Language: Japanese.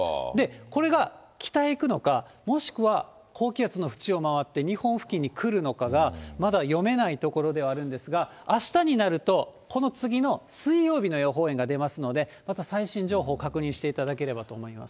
これが北へ行くのか、もしくは高気圧の縁を回って、日本付近に来るのかがまだ読めないところではあるんですが、あしたになると、この次の水曜日の予報円が出ますので、また最新情報を確認していただければと思います。